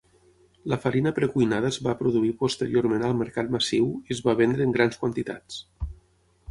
La farina precuinada es va produir posteriorment al mercat massiu i es va vendre en grans quantitats.